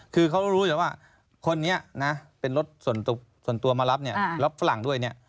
คือเขารู้อยู่แล้วว่าคนนี้นะเป็นรถส่วนตัวมารับเนี่ยแล้วฝรั่งด้วยเนี่ย